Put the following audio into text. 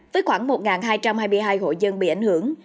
với khoảng một hai trăm hai mươi hai hộ dân bị ảnh hưởng